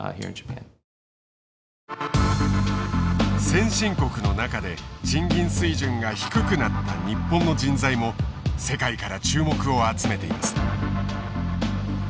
先進国の中で賃金水準が低くなった日本の人材も世界から注目を集めています。